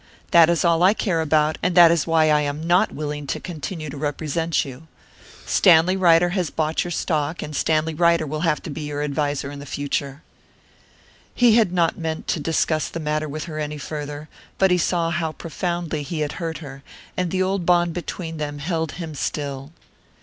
"That is all that I care about, and that is why I am not willing to continue to represent you. Stanley Ryder has bought your stock, and Stanley Ryder will have to be your adviser in the future." He had not meant to discuss the matter with her any further, but he saw how profoundly he had hurt her, and the old bond between them held him still.